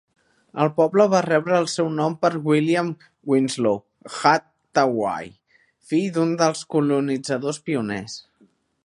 El poble va rebre el seu nom per William Winslow Hathaway, fill d'un dels colonitzadors pioners.